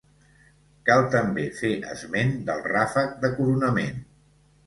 Cal també fer esment del ràfec de coronament.